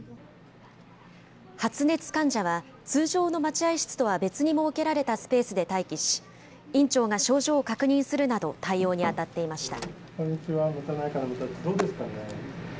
発熱患者は通常の待合室とは別に設けられたスペースで待機し、院長が症状を確認するなど対応に当たっていました。